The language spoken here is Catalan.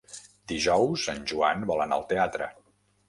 Dijous en Joan vol anar al teatre.